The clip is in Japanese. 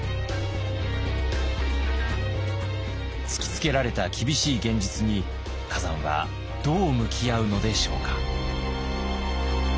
突きつけられた厳しい現実に崋山はどう向き合うのでしょうか。